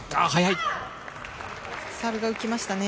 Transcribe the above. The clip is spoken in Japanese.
サーブが浮きましたね。